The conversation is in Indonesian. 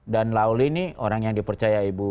dan lawli ini orang yang dipercaya ibu